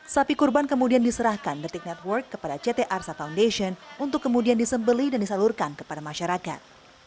sapi kurban kemudian diserahkan the tick network kepada ct arsa foundation untuk kemudian disembeli dan disalurkan kepada masyarakat